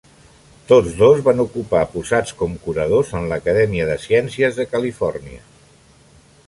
Tots dos van ocupar posats com curadors en l'Acadèmia de Ciències de Califòrnia.